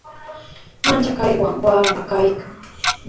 Manchakaywan wamra kaykan.